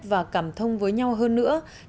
và cảm thông với nhau hơn nữa